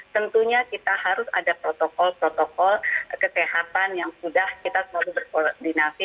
tentunya kita harus ada protokol protokol kesehatan yang sudah kita selalu berkoordinasi